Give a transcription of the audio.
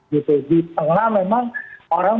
di tengah memang orang